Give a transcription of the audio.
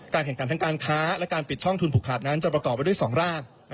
แข่งขันทั้งการค้าและการปิดช่องทุนผูกขาดนั้นจะประกอบไปด้วย๒ร่าง